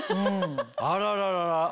あらららら。